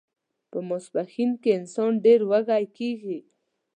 په ماسپښین کې انسان ډیر وږی کیږي